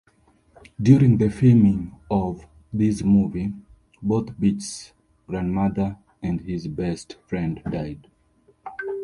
During the filming of this movie, both Beach's grandmother and his best friend died.